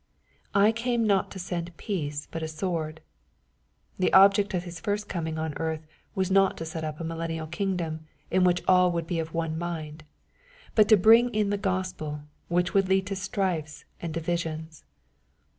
"I came not to send peace, but a sword." The object of His first coming on earth was not to set up a millen nial kingdom in which all would be of one mind, but to bring in the Gospel, which would lead to strifes and divisions.